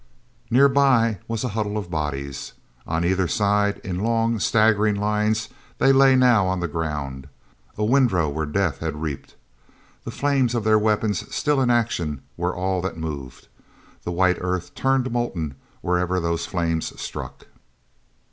Nearby was a huddle of bodies. On either side, in a long, straggling line, they lay now on the ground—a windrow where Death had reaped. The flames of their weapons still in action were all that moved. The white earth turned molten wherever those flames struck.